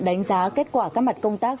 đánh giá kết quả các mặt công tác